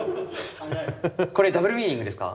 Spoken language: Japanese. これダブルミーニングですか？